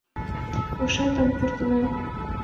Ушетым пуртена!